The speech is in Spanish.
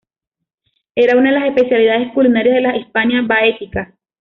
Era una de las especialidades culinarias de la Hispania Baetica.